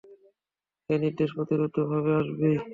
এ নির্দেশ অপ্রতিরোধ্যভাবে আসবেই।